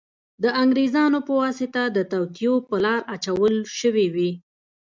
د انګریزانو په واسطه د توطیو په لار اچول شوې وې.